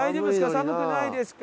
寒くないですか？